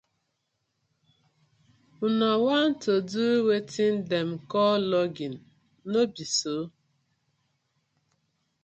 Una wan to do weten dem call logging, no bi so?